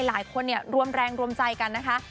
หลายคนรวมแรงรวมใจกันนะคะ